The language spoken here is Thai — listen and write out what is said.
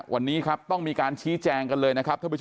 วันนี้ต้องมีชี้แจงกันเลย